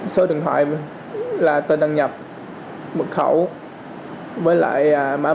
số điện thoại là tên đăng nhập mật khẩu với lại má pin otp